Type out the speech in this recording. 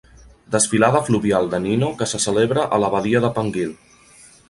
Desfilada Fluvial de Nino que se celebra a la badia de Panguil.